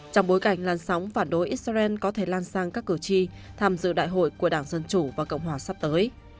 trong bối cảnh lan sóng phản đối israel có thể lan sang các cử tri tham dự đại hội của đảng dân chủ và cộng hòa sắp tới